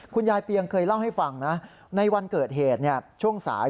เปียงเคยเล่าให้ฟังนะในวันเกิดเหตุช่วงสาย